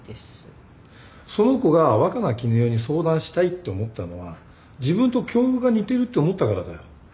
その子が若菜絹代に相談したいって思ったのは自分と境遇が似てるって思ったからだよ。